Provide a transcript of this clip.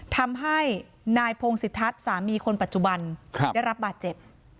ทำให้นายพงศิทัศน์สามีคนปัจจุบันได้รับบาดเจ็บ